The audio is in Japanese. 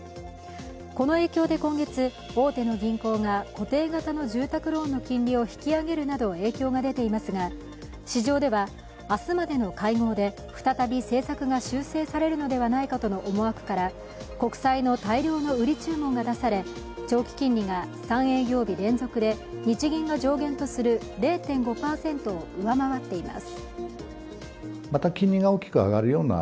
この影響で今月、大手の銀行が固定型の住宅ローンの金利を引き上げるなど影響が出ていますが、市場では明日までの会合で再び政策が修正されるのではないかとの思惑から国債の大量の売り注文が出され長期金利が３営業日連続で日銀が上限とする０．５％を上回っています。